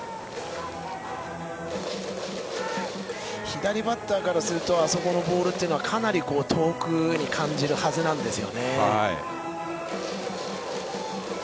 左バッターからするとあそこのボールというのはかなり遠くに感じるはずなんです。